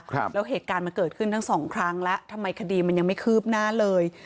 ครับแล้วเหตุการณ์มันเกิดขึ้นทั้งสองครั้งแล้วทำไมคดีมันยังไม่คืบหน้าเลย